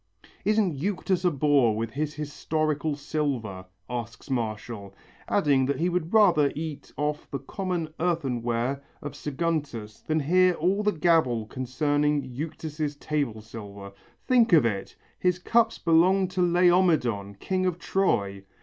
"Isn't Euctus a bore with his historical silver?" asks Martial, adding that he would rather eat off the common earthenware of Saguntus than hear all the gabble concerning Euctus' table silver. "Think of it! His cups belonged to Laomedon, king of Troy.